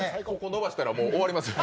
延ばしたら、もう終わりますよ。